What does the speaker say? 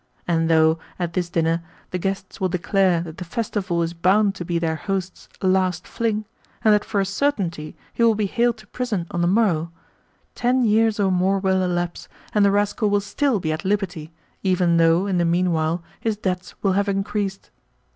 And though, at this dinner, the guests will declare that the festival is bound to be their host's last fling, and that for a certainty he will be haled to prison on the morrow, ten years or more will elapse, and the rascal will still be at liberty, even though, in the meanwhile, his debts will have increased!